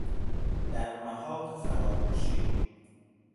در محاق فراموشی